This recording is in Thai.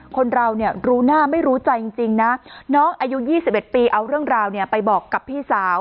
คนเราเนี่ยรู้หน้าไม่รู้ใจจริงนะน้องอายุ๒๑ปีเอาเรื่องราวไปบอกกับพี่สาว